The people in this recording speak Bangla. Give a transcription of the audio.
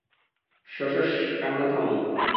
সশস, কান্না থামাও।